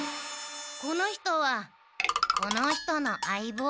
この人はこの人の相棒。